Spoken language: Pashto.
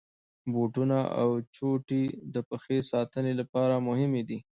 بوټونه او چوټي د پښې ساتني لپاره مهمي دي.